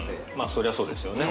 そりゃそうですよね